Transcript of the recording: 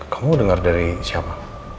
kamu dengar dari siapa